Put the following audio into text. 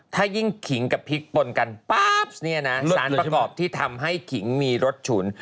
ถ้ายิ่งขิงกับพริกปนกันป๊าบเนี่ยนะสารประกอบที่ทำให้ขิงมีรสฉุน